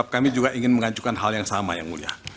kami juga ingin mengajukan hal yang sama yang mulia